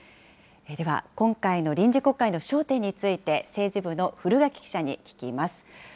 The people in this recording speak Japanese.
では、今回の臨時国会の焦点について、政治部の古垣記者に聞きます。